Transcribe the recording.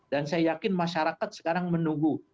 dan saya yakin masyarakat sekarang menunggu